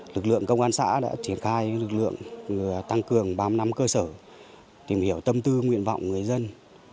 lực lượng công an xã đã triển khai lực lượng tăng cường ba mươi năm cơ sở tìm hiểu tâm tư nguyện vọng người dân